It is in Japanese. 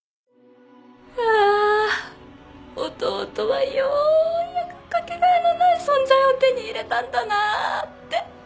あ弟はようやくかけがえのない存在を手に入れたんだなって。